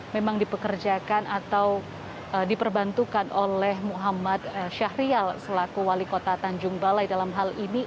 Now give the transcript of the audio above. memang dipekerjakan atau diperbantukan oleh muhammad syahrial selaku wali kota tanjung balai dalam hal ini